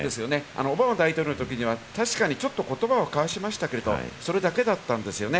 オバマ大統領のときには、ちょっと言葉を交わしましたけれども、それだけだったんですね。